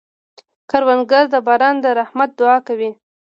کروندګر د باران د رحمت دعا کوي